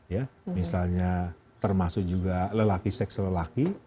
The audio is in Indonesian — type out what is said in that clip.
ya misalnya termasuk juga lelaki seks lelaki